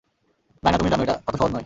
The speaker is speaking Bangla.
নায়না, তুমি জানো এটা এত সহজ নয়।